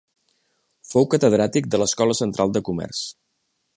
Fou catedràtic de l'Escola Central de Comerç.